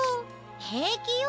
へいきよ。